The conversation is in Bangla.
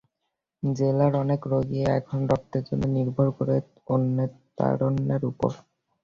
জেলার অনেক রোগী এখন রক্তের জন্য নির্ভর করেন অরণ্যে তারুণ্যের ওপর।